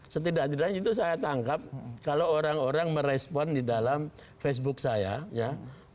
setidaknya itu saya tangkap kalau orang orang merespon di dalam facebook saya